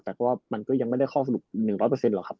แต่ก็มันก็ยังไม่ได้ข้อสรุป๑๐๐หรอกครับ